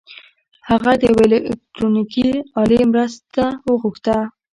هغه د یوې الکټرونیکي الې مرسته وغوښته